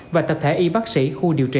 và tập thể y bác sĩ khu điều trị